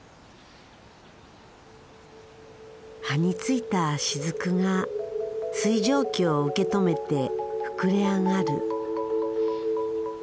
葉についた滴が水蒸気を受け止めて膨れ上がる。